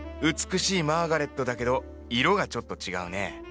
美しいマーガレットだけど色がちょっと違うね。